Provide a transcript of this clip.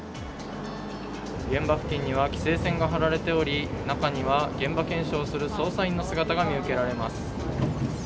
現場付近には規制線が張られており中には現場検証する捜査員の姿が見受けられます。